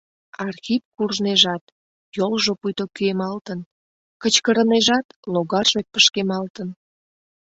Архип куржнежат — йолжо пуйто кӱэмалтын; кычкырынежат — логарже пышкемалтын.